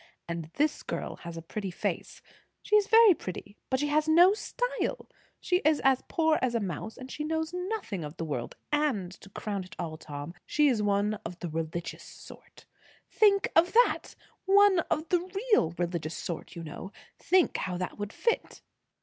And this girl has a pretty face; she is very pretty. But she has no style; she' is as poor as a mouse; she knows nothing of the world; and to crown all, Tom, she's one of the religious sort. Think of that! One of the real religious sort, you know. Think how that would fit."